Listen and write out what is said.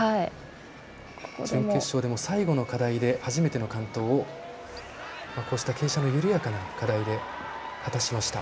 準決勝でも最後の課題で初めての完登をこうした傾斜の緩やかな課題で果たしました。